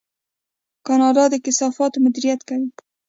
کاناډا د کثافاتو مدیریت کوي.